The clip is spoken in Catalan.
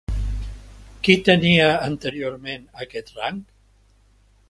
Qui tenia, anteriorment, aquest rang?